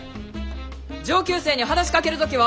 上級生に話しかける時は！